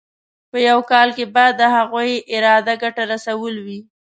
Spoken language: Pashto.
په یو کار کې به د هغوی اراده ګټه رسول وي.